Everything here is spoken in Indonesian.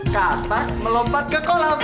katak melompat ke kolam